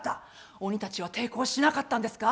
鬼たちは抵抗しなかったんですか？